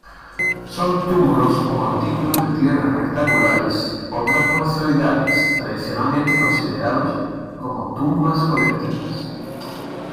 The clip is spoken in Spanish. Son túmulos o montículos de tierra rectangulares o trapezoidales tradicionalmente considerados como tumbas colectivas.